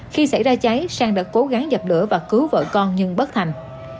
khi xảy ra cháy sang đã cố gắng dập lửa và cứu vợ con nhưng bất thành